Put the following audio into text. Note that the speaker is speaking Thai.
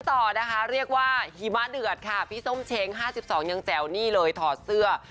ต่อนะคะเรียกว่าหิมะเดือดค่ะพี่ส้มเช้ง๕๒ยังแจ๋วนี่เลยถอดเสื้อ